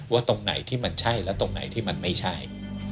ตรงไหนที่มันใช่และตรงไหนที่มันไม่ใช่